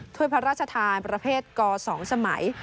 ถ้วยพระราชทานประเภทก๒สมัย